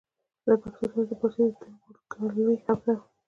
له پښتو سره د پارسي د تربورګلوۍ خبره وه.